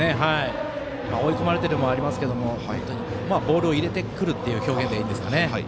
追い込まれてるのもありますけどボールを入れてくるという表現で、いいんですかね。